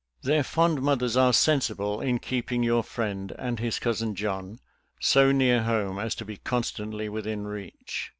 *«««* Their fond mothers are sensible in keeping your friend and his cousin John so near home as to be constantly within reach.